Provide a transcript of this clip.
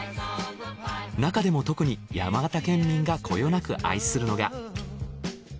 中でも特に山形県民がこよなく愛するのが。